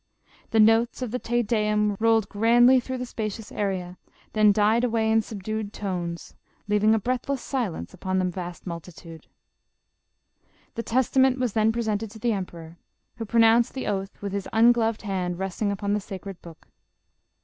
The notes of the Te Deum rolled grandly through the spa cious area, then died away in subdued tones, leaving a JOSEPHINE. 253 breathless silence upon the vast multitude. The Tes tament was then presented to the emperor, who pro nounced the oath, with his ungloved hand resting upon the sacred book.